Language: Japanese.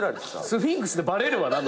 スフィンクスでバレるわ！